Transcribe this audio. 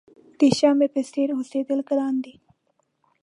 د شمعې په څېر اوسېدل ګران دي.